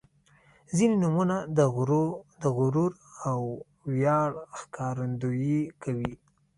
• ځینې نومونه د غرور او ویاړ ښکارندويي کوي.